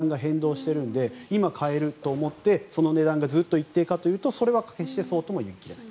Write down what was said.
ただ、取材した数日前は１５０円だったりかなり値段が変動しているので今、買えると思ってその値段がずっと一定化というとそれは決してそうとも言い切れない。